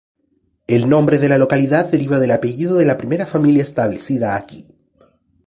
El nombre de la localidad deriva del apellido de la primera familia establecida aquí.